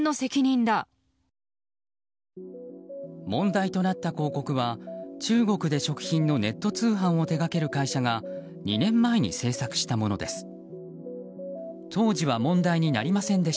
問題となった広告は中国で食品のネット通販を手掛ける会社が２年前に制作したものです。